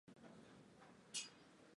Kupe mwenye masikio ya kahawia